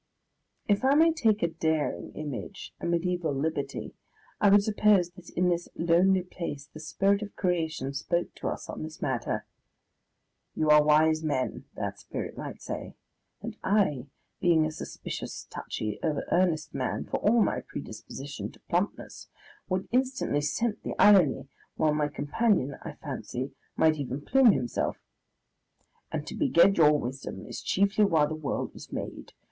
If I may take a daring image, a mediaeval liberty, I would suppose that in this lonely place the Spirit of Creation spoke to us on this matter. "You are wise men," that Spirit might say and I, being a suspicious, touchy, over earnest man for all my predisposition to plumpness, would instantly scent the irony (while my companion, I fancy, might even plume himself), "and to beget your wisdom is chiefly why the world was made.